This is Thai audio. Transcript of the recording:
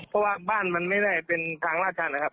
เพราะว่าบ้านมันไม่ได้เป็นทางราชันนะครับ